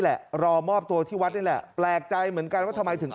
รอมอบตัวที่วัดนี่แหละแปลกใจเหมือนกันว่าทำไมถึง